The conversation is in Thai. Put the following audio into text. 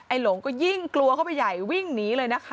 หลงก็ยิ่งกลัวเข้าไปใหญ่วิ่งหนีเลยนะคะ